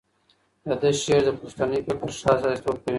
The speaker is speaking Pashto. د ده شعر د پښتني فکر ښه استازیتوب کوي.